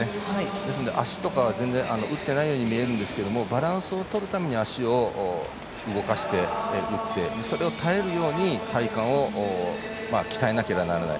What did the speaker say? ですので足とか全然、打っていないように見えるんですけれどもバランスをとるために足を動かして打ってそれに耐えるように体幹を鍛えなければいけない。